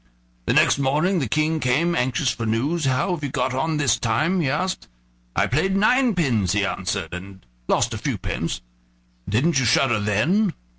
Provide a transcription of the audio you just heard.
The next morning the King came, anxious for news. "How have you got on this time?" he asked. "I played ninepins," he answered, "and lost a few pence." "Didn't you shudder then?"